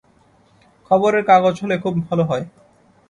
খবরের কাগজ হলে খুব ভালো হয়।